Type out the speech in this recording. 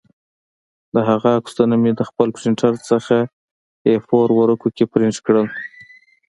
د هغه عکسونه مې د خپل پرنټر څخه اې فور ورقو کې پرنټ کړل